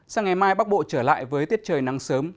sáng ngày mai bắc bộ trở lại với tiết trời nắng sớm